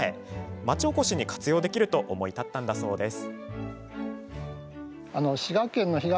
町おこしに活用できると思い立ったんだそうです。